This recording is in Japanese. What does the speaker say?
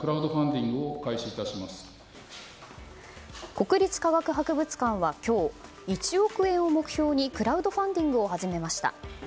国立科学博物館は今日、１億円を目標にクラウドファンディングを始めました。